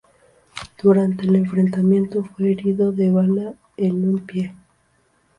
Durante el enfrentamiento fue herido de bala en un pie.